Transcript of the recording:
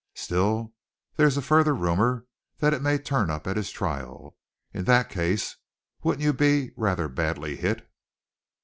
Still, there is a further rumor that it may turn up at his trial. In that case, wouldn't you be rather badly hit?"